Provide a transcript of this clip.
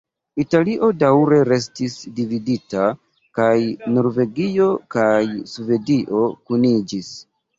Italio daŭre restis dividita kaj Norvegio kaj Svedio kuniĝis.